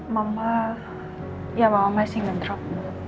mama ya mama masih bentrok